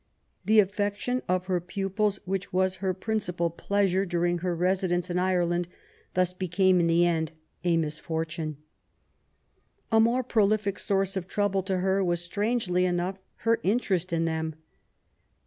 The affection of her pupils, which was her principal pleasure during her residence in Ireland, thus became in the end a misfortune. A more prolific source of trouble to her was, strangely enough, her interest in them.